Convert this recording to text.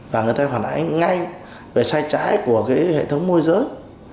và người ta phải phản ánh ngay về sai trái của hệ thống môi giới